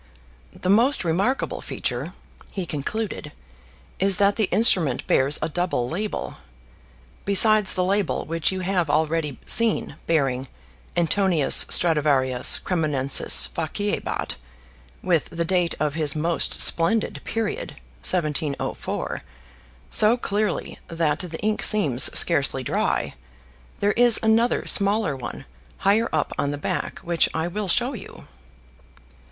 "The most remarkable feature," he concluded, "is that the instrument bears a double label. Besides the label which you have already seen bearing 'Antonius Stradiuarius Cremonensis faciebat,' with the date of his most splendid period, 1704, so clearly that the ink seems scarcely dry, there is another smaller one higher up on the back which I will show you."